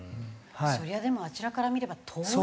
そりゃでもあちらから見れば遠い。